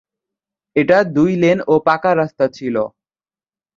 এটা দুই-লেন ও পাকা রাস্তা ছিল।